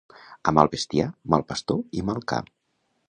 A mal bestiar, mal pastor i mal ca.